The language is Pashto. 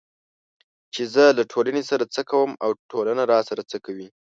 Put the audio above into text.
چې زه له ټولنې سره څه کوم او ټولنه راسره څه کوي